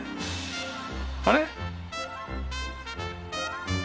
あれ？